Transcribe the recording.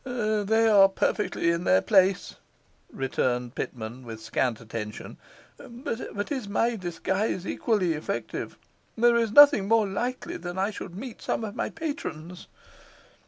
'They are perfectly in their place,' returned Pitman, with scant attention. 'But is my disguise equally effective? There is nothing more likely than that I should meet some of my patrons.